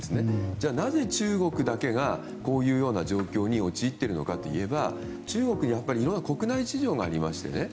じゃあ、なぜ中国だけがこういう状況に陥っているのかといえば中国は国内事情がありましてね。